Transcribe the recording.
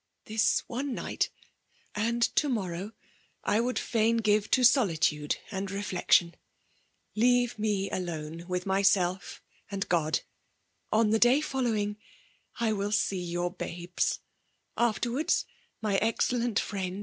^ This one night, and to morrow, I would fain give, to solitude and reflection. Leave me alone with myself and God !— On the day following, I will see your babes; afterwards my excellent friend.